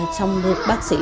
xong được bác sĩ